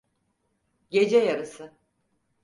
Gece yarısı.